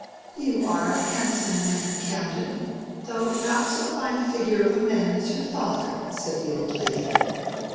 "You are a handsome man, Camden: though not so fine a figure of a man as your father," said the old lady.